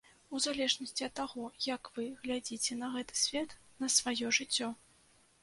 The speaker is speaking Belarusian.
У залежнасці ад таго, як вы глядзіце на гэты свет, на сваё жыццё.